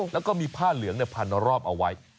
แล้วก็มีผ้าเหลืองพันรอบเอาไว้